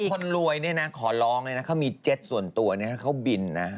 คนรวยเนี่ยนะขอร้องเลยนะเขามีเจ็ตส่วนตัวเนี่ยเขาบินนะ